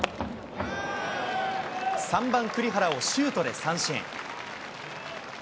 ３番栗原をシュートで三振。